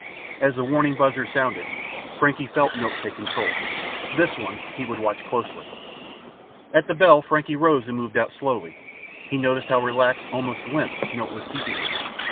As the warning buzzer sounded, Frankie felt Milt take control. This one he would watch closely. At the bell Frankie rose and moved out slowly. He noticed how relaxed, almost limp, Milt was keeping him.